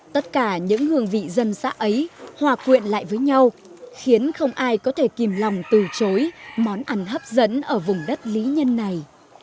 tất cả những hương vị dân xã ấy hòa quyện lại với nhau khiến không ai có thể kìm lòng từ chối món ăn hấp dẫn ở vùng đất lý nhân này